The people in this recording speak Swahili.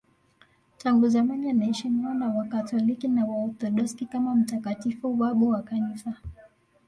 Tangu zamani anaheshimiwa na Wakatoliki na Waorthodoksi kama mtakatifu na babu wa Kanisa.